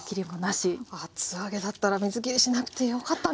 厚揚げだったら水きりしなくてよかったんですね。